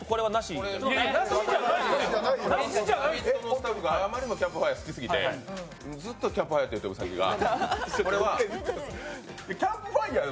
スタッフがあまりにもキャンプファイヤー好きすぎてずっとキャンプファイヤーって言って兎が。